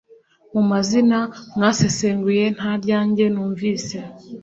mu mazina mwasesenguye ntaryange numvise